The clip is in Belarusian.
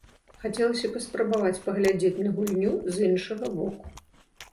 Хацелася паспрабаваць паглядзець на гульню з іншага боку.